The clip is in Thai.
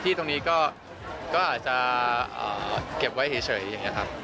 ตรงนี้ก็อาจจะเก็บไว้เฉยอย่างนี้ครับ